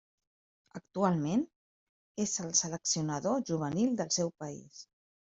Actualment, és el seleccionador juvenil del seu país.